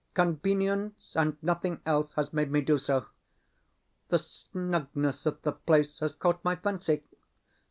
Convenience and nothing else, has made me do so. The snugness of the place has caught my fancy.